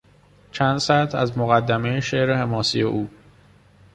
چند سطر از مقدمهی شعر حماسی او